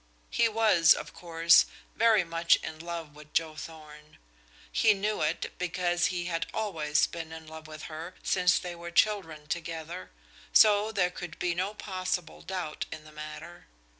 He was, of course, very much in love with Joe Thorn; he knew it, because he had always been in love with her since they were children together, so there could be no possible doubt in the matter.